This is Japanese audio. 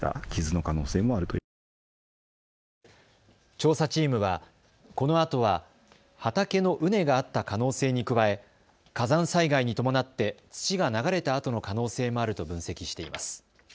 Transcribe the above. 調査チームはこの跡は畑の畝があった可能性に加え火山災害に伴って土が流れた跡の可能性もあると分析しています。